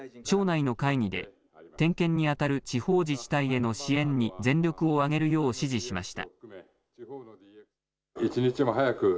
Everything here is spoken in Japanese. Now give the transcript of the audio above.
松本総務大臣は省内の会議で点検に当たる地方自治体への支援に全力を挙げるよう指示しました。